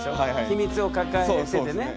秘密を抱えててね。